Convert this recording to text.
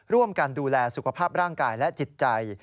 ร่วมกันดูแลสุขภาพร่างกายและจิตใจ